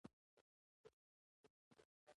بزګران او کارګران هم کولی شي یوه برخه وپېري